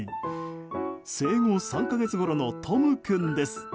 生後３か月ごろの富君です。